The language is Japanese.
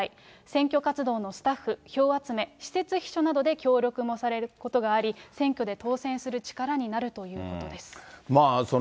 選挙活動のスタッフ、票集め、私設秘書などで協力もされることがあり、選挙で当選する力になるということです。